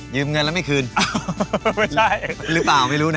เงินแล้วไม่คืนหรือเปล่าไม่รู้นะ